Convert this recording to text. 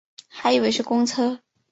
还以为是公车